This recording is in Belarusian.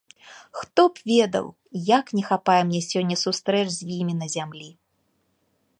Хто б ведаў, як не хапае мне сёння сустрэч з імі на зямлі!